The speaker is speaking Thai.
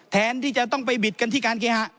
แทนที่จะต้องไปบิดกันที่การเคหะ